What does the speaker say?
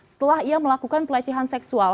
setelah ia melakukan pelecehan seksual